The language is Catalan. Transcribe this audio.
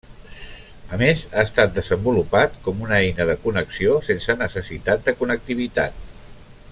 A més ha estat desenvolupat com una eina de connexió sense necessitat de connectivitat.